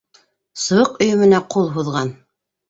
Сыбыҡ өйөмөнә ҡул һуҙған.